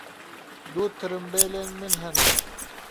Du tirimbêlên min hene.